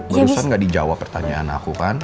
barusan gak dijawab pertanyaan aku kan